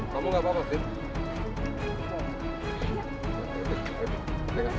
kamu gak apa apa fit